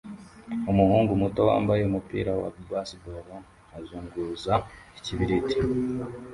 Umuhungu muto wambaye umupira wa baseball azunguza ikibiriti